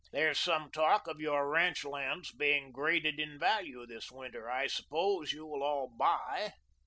There's some talk of your ranch lands being graded in value this winter. I suppose you will all buy?"